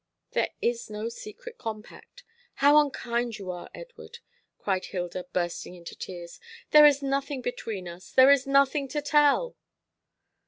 "There is no secret compact. How unkind you are, Edward!" cried Hilda, bursting into tears. "There is nothing between us; there is nothing to tell."